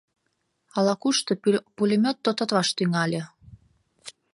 Ала-кушто пулемёт тототлаш тӱҥале.